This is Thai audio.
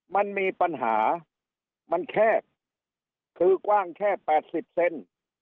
มันมีปัญหามันแค่คือกว้างแค่๘๐เซนติเมตร